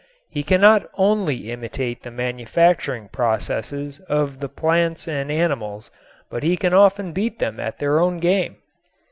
He cannot only imitate the manufacturing processes of the plants and animals, but he can often beat them at their own game.